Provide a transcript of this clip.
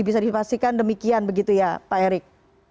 bisa dipastikan demikian begitu ya pak erik